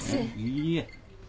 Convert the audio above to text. いいえ。